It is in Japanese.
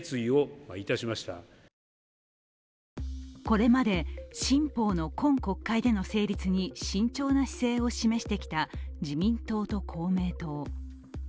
これまで新法の今国会での成立に慎重な姿勢を示してきた自民党と公明党。